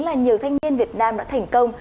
là nhiều thanh niên việt nam đã thành công